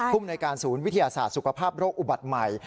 ภูมิในการศูนย์วิทยาศาสตร์สุขภาพโรคอุบัติใหม่